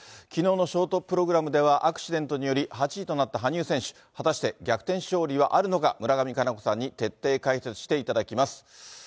きのうのショートプログラムでは、アクシデントにより８位となった羽生選手、果たして逆転勝利はあるのか、村上佳菜子さんに徹底解説していただきます。